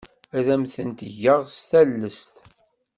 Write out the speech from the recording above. Ad am-tent-geɣ d tallest.